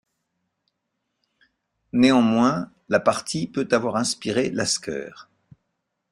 Néanmoins, la partie peut avoir inspiré Lasker.